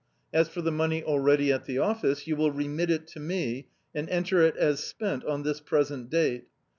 As for the money already at the office, you will remit it to me, and enter it as spent on this present date."